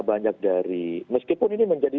banyak dari meskipun ini